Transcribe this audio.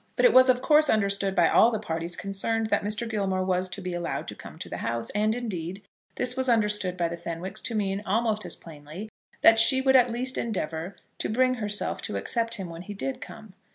But it was of course understood by all the parties concerned that Mr. Gilmore was to be allowed to come to the house; and, indeed, this was understood by the Fenwicks to mean almost as plainly that she would at least endeavour to bring herself to accept him when he did come.